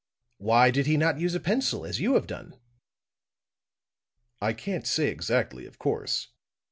Why did he not use a pencil, as you have done?" "I can't say exactly, of course.